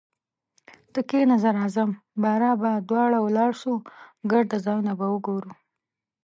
ته کښینه زه راځم باره به دواړه ولاړسو ګرده ځایونه به وګورو